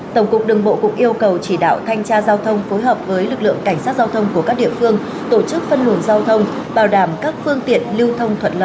tổng cục đường bộ cũng yêu cầu chỉ đạo thanh tra giao thông phối hợp với lực lượng cảnh sát giao thông của các địa phương tổ chức phân luồng giao thông bảo đảm các phương tiện lưu thông thuận lợi